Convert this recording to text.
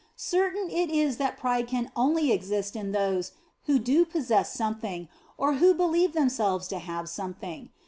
Certain it is that pride can only exist in those who do possess something, or who believe themselves to have something.